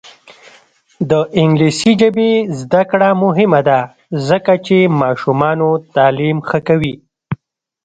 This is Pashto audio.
د انګلیسي ژبې زده کړه مهمه ده ځکه چې ماشومانو تعلیم ښه کوي.